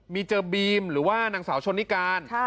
มีเจอบีมหรือว่านางสาวชนนิการ